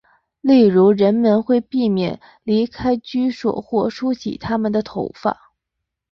例如人们会避免离开居所或梳洗他们的头发。